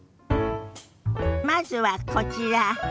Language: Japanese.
まずはこちら。